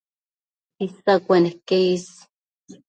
Isa cueneque is